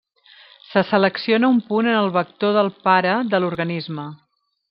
Se selecciona un punt en el vector del pare de l'organisme.